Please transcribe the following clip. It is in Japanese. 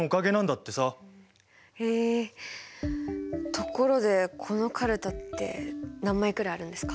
ところでこのかるたって何枚くらいあるんですか？